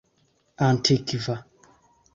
antikva